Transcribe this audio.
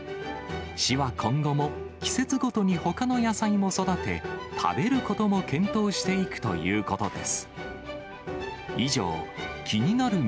市は今後も、季節ごとにほかの野菜も育て、食べることも検討していくということです。